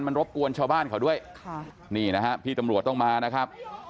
มันรบกวนชาวบ้านเขาด้วยค่ะนี่นะฮะพี่ตำรวจต้องมานะครับ